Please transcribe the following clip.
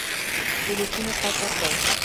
ټیلیفون یې قطع کړ !